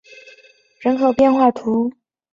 圣梅尔人口变化图示